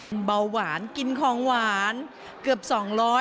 อาการป่วยของคุณพ่อไม่ได้น่าเป็นห่วงอย่างที่คิดเลย